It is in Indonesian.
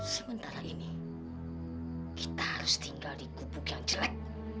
sementara ini kita harus tinggal di gubuk yang jelek